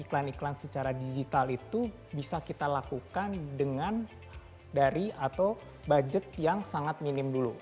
iklan iklan secara digital itu bisa kita lakukan dengan dari atau budget yang sangat minim dulu